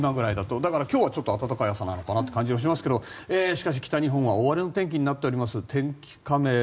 だから、今日はちょっと暖かい朝なのかなって感じがしますがしかし北日本は大荒れの天気になっております。